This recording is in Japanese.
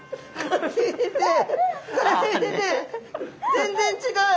全然違う。